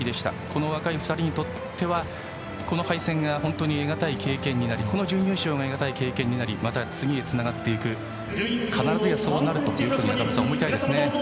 この若い２人にとってはこの敗戦が本当に得がたい経験になりこの準優勝が得がたい経験になりまた次につながっていく必ずやそうなると中村さん、思いたいですね。